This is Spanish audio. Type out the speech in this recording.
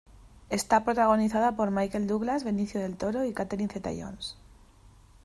Está protagonizada por Michael Douglas, Benicio del Toro y Catherine Zeta Jones.